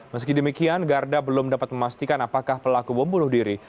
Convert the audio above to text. meski demikian garda belum dapat memastikan apakah pelaku bom bunuh diri